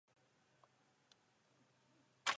Po různých pokusech obnovit sestavu skupina zanikla.